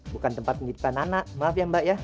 bukan tempat penitipan anak maaf ya mbak ya